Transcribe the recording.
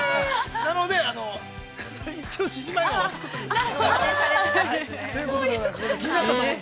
なので、一応、獅子舞のほう作って。ということでございます。